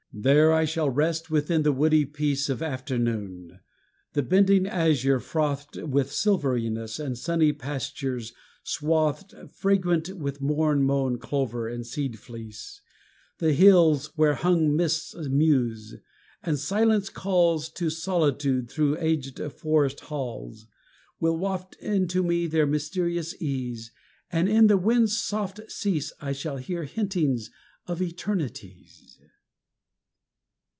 There I shall rest within the woody peace Of afternoon. The bending azure frothed With silveryness, the sunny pastures swathed, Fragrant with morn mown clover and seed fleece; The hills where hung mists muse, and Silence calls To Solitude thro' aged forest halls, Will waft into me their mysterious ease, And in the wind's soft cease I shall hear hintings of eternities.